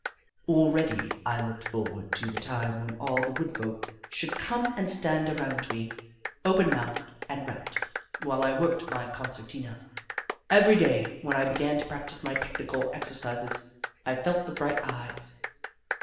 Already I looked forward to the time when all the wood folk should come and stand around me, open mouthed and rapt, while I worked my concertina. Every day, when I began to practise my technical exercises, I felt the bright eyes.